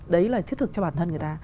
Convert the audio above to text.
đấy là thiết thực cho bản thân người ta